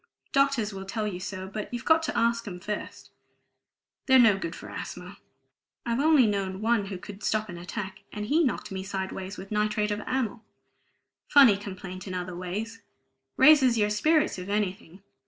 Doctors will tell you so, but you've got to ask 'em first; they're no good for asthma! I've only known one who could stop an attack, and he knocked me sideways with nitrite of amyl. Funny complaint in other ways; raises your spirits, if anything.